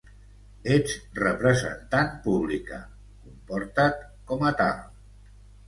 Ets representant pública, comportat com a tal.